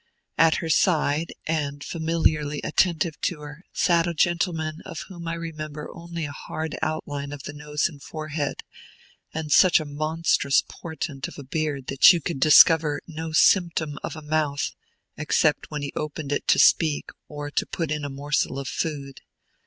At her side, and familiarly attentive to her, sat a gentleman of whom I remember only a hard outline of the nose and forehead, and such a monstrous portent of a beard that you could discover no symptom of a mouth, except, when he opened it to speak, or to put in a morsel of food.